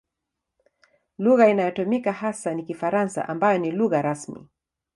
Lugha inayotumika hasa ni Kifaransa ambayo ni lugha rasmi.